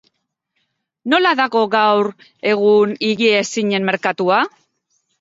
Nola dago gaur egun higiezinen merkatua?